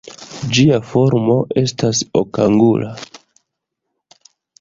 Ĝia formo estas okangula.